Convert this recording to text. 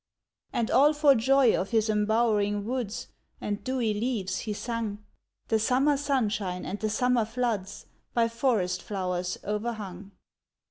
And all for joy of his embowering woods, And dewy leaves he sung, The summer sunshine, and the summer floods By forest flowers o'erhung.